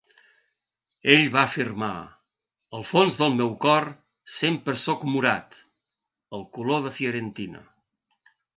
Ell va afirmar: "Al fons del meu cor sempre sóc morat", el color de Fiorentina.